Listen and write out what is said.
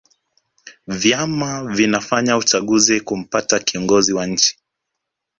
vyama vinafanya uchaguzi kumpata kiongozi wa nchi